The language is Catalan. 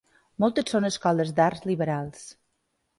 Moltes són escoles d'arts liberals.